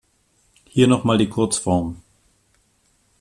Hier noch mal die Kurzform.